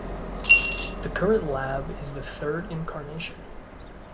The current lab is the third incarnation.